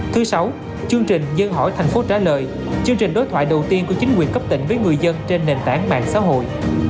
thứ sáu chương trình dân hỏi thành phố trả lời chương trình đối thoại đầu tiên của chính quyền cấp tỉnh với người dân trên nền tảng mạng xã hội